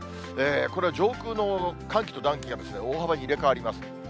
これは上空の寒気と暖気が大幅に入れ代わります。